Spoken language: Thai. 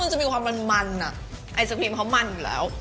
จะมีความมันไอศครีมเขามันอยู่แล้ว